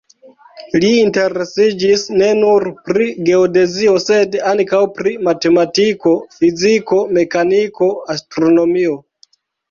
Li interesiĝis ne nur pri geodezio, sed ankaŭ pri matematiko, fiziko, mekaniko, astronomio.